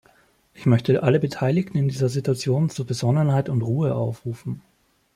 Ich möchte alle Beteiligten in dieser Situation zu Besonnenheit und Ruhe aufrufen.